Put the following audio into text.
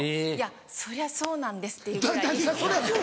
いやそりゃそうなんですっていうぐらい。